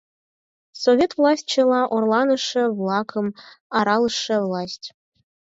Совет власть — чыла орланыше-влакым аралыше власть.